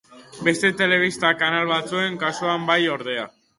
Beste telebista-kanal batzuen kasuan bai, ordea.